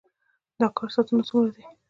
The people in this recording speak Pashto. د کار ساعتونه څومره دي؟